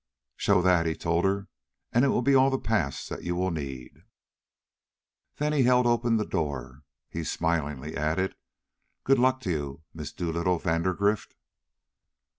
"Show that," he told her, "and it will be all the pass that you will need." Then as he held open the door, he smilingly added, "Good luck to you, Miss Dolittle Vandergrift."